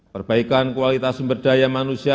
perbaikan kualitas sumber daya manusia